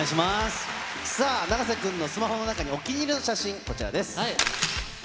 さあ、永瀬君のスマホの中にお気に入りの写真、こちらです。